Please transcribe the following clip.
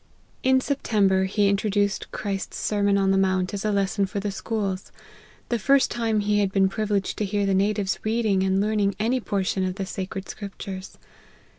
In September he introduced Christ's Sermon on 1 06 LIFE OF HENRY MARTYN, the mount as a lesson for the schools ; the first time he had been privileged to hear the natives reading and learning any portion of the sacred scriptures.